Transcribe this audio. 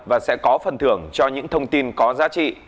và sẽ có phần thưởng cho những thông tin có giá trị